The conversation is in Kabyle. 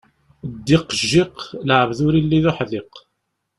Ddiq, jjiq, lɛebd ur illi d uḥdiq.